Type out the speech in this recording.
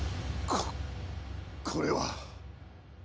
ここれは。